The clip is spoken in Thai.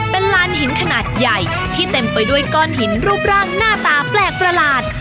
เป็นลานหินขนาดใหญ่ที่เต็มไปด้วยก้อนหินรูปร่างหน้าตาแปลกประหลาด